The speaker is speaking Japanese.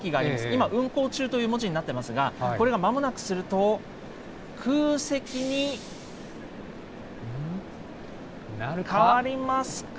今、運行中という文字になってますが、これがまもなくすると、空席に変わりますか。